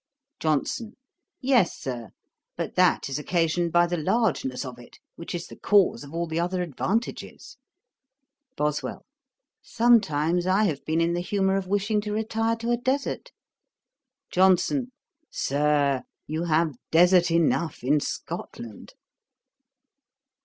JOHNSON. 'Yes, Sir; but that is occasioned by the largeness of it, which is the cause of all the other advantages.' BOSWELL. 'Sometimes I have been in the humour of wishing to retire to a desart.' JOHNSON. 'Sir, you have desart enough in Scotland.'